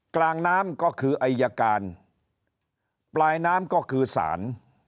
การปลายน้ำก็คือสาร